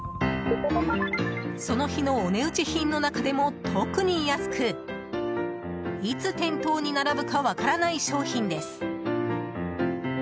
その日のお値打ち品の中でも特に安くいつ店頭に並ぶか分からない商品です。